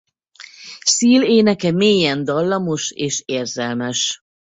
Seal éneke mélyen dallamos és érzelmes.